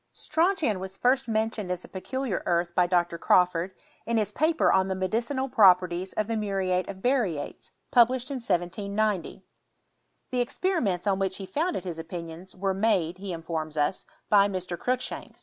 Strontian was first mentioned as a peculiar earth by Dr. Crawford, in his paper on the medicinal pro perties of the muriate of barytes, published in 1798; The experiments on which he founded hia opinioni were made, he informs ns, by Mr. Cruikshanks.